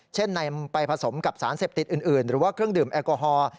เช่นนำไปผสมกับสารเสพติดอื่นหรือว่าเครื่องดื่มแอลกอฮอล์